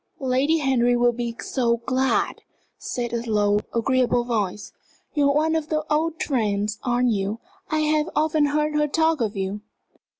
"Lady Henry will be so glad!" said a low, agreeable voice. "You are one of the old friends, aren't you? I have often heard her talk of you."